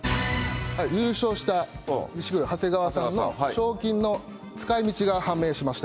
優勝した錦鯉・長谷川さんの賞金の使いみちが判明しました。